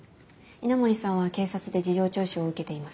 稲森さんは警察で事情聴取を受けています。